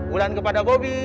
ulan kepada bobi